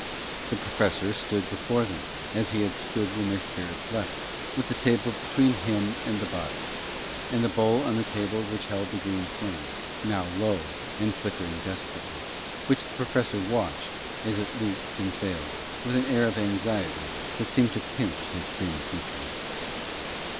The Professor stood before them as he had stood when their spirits left, with the table between him and the bodies, and the bowl on the table which held the green flame, now low and flickering desperately, which the Professor watched as it leaped and failed, with an air of anxiety that seemed to pinch his thin features.